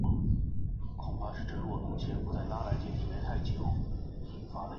中里是东京都北区的町名。